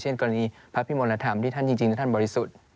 กรณีพระพิมลธรรมที่ท่านจริงท่านบริสุทธิ์